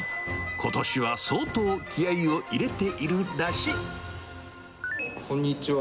ことしは相当気合いを入れているこんにちは。